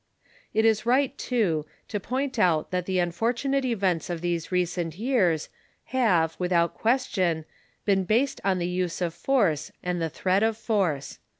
It is right, too, to point out that the unfortunate events of these recent years have, without question, been based on the use of force and the threat of force.